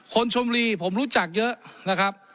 ชมรีผมรู้จักเยอะนะครับ